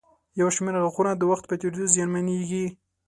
یو شمېر غاښونه د وخت په تېرېدو زیانمنېږي.